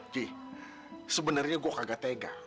ji sebenarnya gue kagak tega